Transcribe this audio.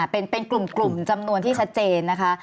เป็นกลุ่มจำนวนที่ชัดเจนนะคะ